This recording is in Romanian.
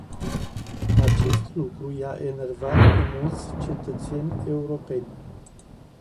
Acest lucru i-a enervat pe mulți cetățeni europeni.